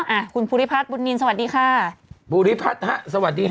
อ่ะคุณภูริพัฒน์บุญนินสวัสดีค่ะภูริพัฒน์ฮะสวัสดีค่ะ